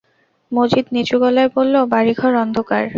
মজিদ নিচু গলায় বলল, বাড়িঘর অন্ধকার।